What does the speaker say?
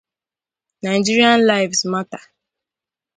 Nigerian Lives Matter!